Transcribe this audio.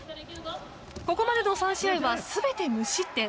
ここまでの３試合は全て無失点。